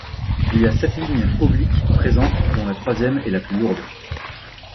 Il y a sept lignes obliques présentes dont la troisième est la plus lourde.